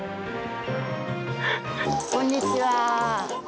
こんにちは。